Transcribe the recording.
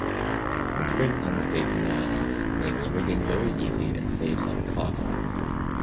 The twin unstayed masts makes rigging very easy and saves on cost.